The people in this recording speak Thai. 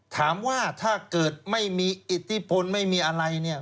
ถามว่าถ้าเกิดไม่มีอิติภลไม่มีอะไรเนี่ย